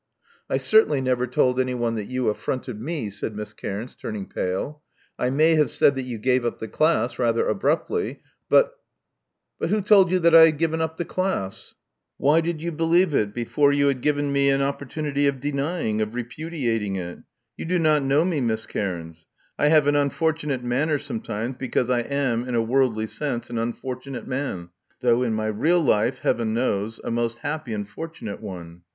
I certainly never told anyone that you affronted me,*' said Miss Cairns, turning pale. I may have said that you gave up the class rather abruptly; but " But who told you that I had given up the class? Love Among the Artists 123 Why did you believe it before you had given me an opportunity of denying — of repudiating it. You do not know me, Miss Cairns. I have an unfortimate manner sometimes, because I am, in a worldly sense, an unfortunate man, though in my real life, heaven knows, a most happy and fortunate one.